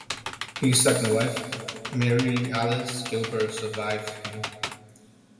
His second wife, Mary Alice Gilbert, survived him.